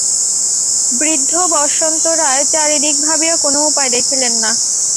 বৃদ্ধ বসন্ত রায় চারিদিক ভাবিয়া কোন উপায় দেখিলেন না।